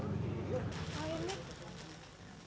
akses yang sulit juga dirasakan oleh pemerintah